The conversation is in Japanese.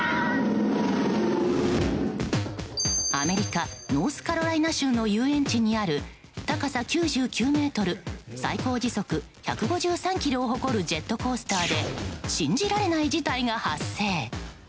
アメリカ・ノースカロライナ州の遊園地にある高さ９９ｍ最高時速１５３キロを誇るジェットコースターで信じられない事態が発生。